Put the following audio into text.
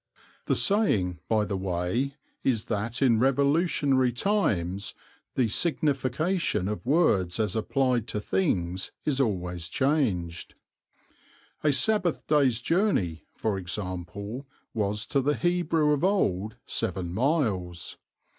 The saying, by the way, is that in revolutionary times the signification of words as applied to things is always changed. A Sabbath day's journey, for example, was to the Hebrew of old seven miles.